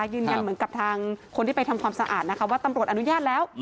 ยืนยันเหมือนกับทางคนที่ไปทำความสะอาดนะคะว่าตำรวจอนุญาตแล้ว